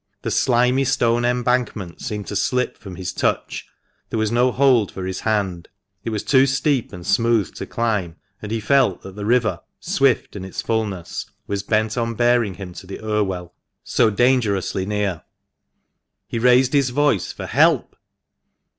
The slimy stone embankment seemed to slip from his touch ; there was no hold for his hand ; it was too steep and smooth to climb ; and he felt that the river, swift in its fulness, was bent on bearing him to the Irvvell, so dangerously near. He raised his voice for " Help